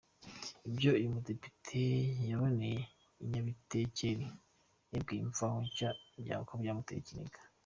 Ibyo uyu mudepite yaboneye i Nyabitekeri yabwiye Imvaho Nshya ko byamuteye ikiniga.